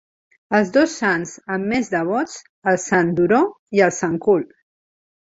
Els dos sants amb més devots: el sant Duro i el sant Cul.